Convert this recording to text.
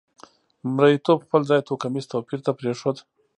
مریتوب خپل ځای توکمیز توپیر ته پرېښود.